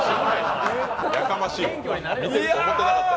やかましいわ。